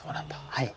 はい。